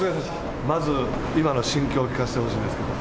まず、今の心境、聞かせてほしいんですけど。